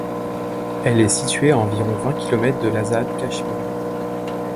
Elle est située à environ vingt kilomètres de l'Azad Cachemire.